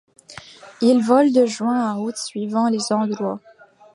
Il vole de juin à août suivant les endroits.